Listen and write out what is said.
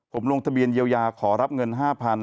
ผมลงทะเบียนเยียวยาขอรับเงิน๕๐๐๐